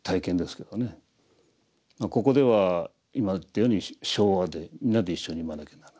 ここでは今言ったように唱和で皆で一緒に読まなきゃならない。